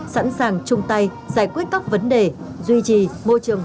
sẵn sàng chung tay giải quyết các vấn đề duy trì môi trường